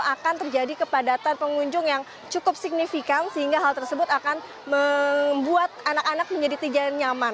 akan terjadi kepadatan pengunjung yang cukup signifikan sehingga hal tersebut akan membuat anak anak menjadi tidak nyaman